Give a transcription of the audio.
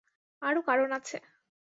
আরো কারন আছে।